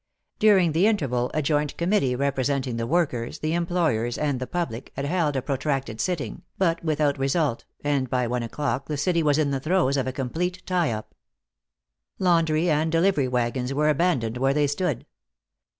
During the interval a joint committee representing the workers, the employers and the public had held a protracted sitting, but without result, and by one o'clock the city was in the throes of a complete tie up. Laundry and delivery wagons were abandoned where they stood.